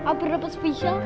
aku pernah dapat spesial